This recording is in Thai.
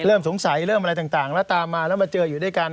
เริ่มสงสัยเริ่มอะไรต่างแล้วตามมาแล้วมาเจออยู่ด้วยกัน